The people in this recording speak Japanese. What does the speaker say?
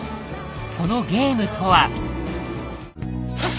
そのゲームとは？